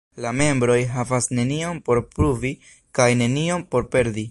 La membroj havas nenion por pruvi kaj nenion por perdi.